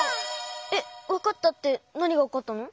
えっわかったってなにがわかったの？